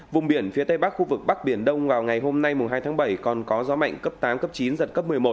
vùng biển phía tây bắc khu vực bắc biển đông vào ngày hôm nay hai tháng bảy còn có gió mạnh cấp tám cấp chín giật cấp một mươi một